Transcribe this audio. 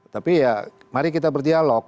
tapi ya mari kita berdialog